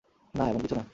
না এমন কিছু না।